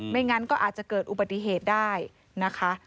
งั้นก็อาจจะเกิดอุบัติเหตุได้นะคะ